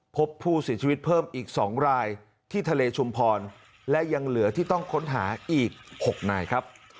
พบผู้เสียชีวิตเพิ่มอีก๒รายที่ทะเลชุมพรและยังเหลือที่ต้องค้นหาอีก๖นายครับ